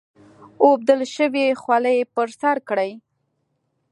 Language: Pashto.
اوبدل شوې خولۍ پر سر کړي.